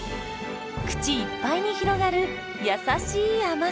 口いっぱいに広がる優しい甘さ。